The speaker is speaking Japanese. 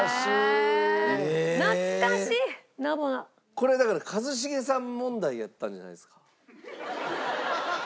これだから一茂さん問題やったんじゃないですか？